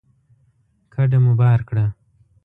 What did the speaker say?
کډه مو بار کړه